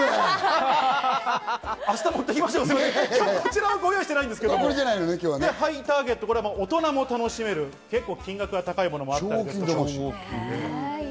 今日、ご用意してないんですけど、ハイターゲット・トイ部門、大人も楽しめる、結構金額が高いものもあって。